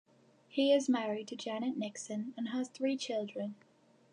He is married to Janet Nixon and has three children.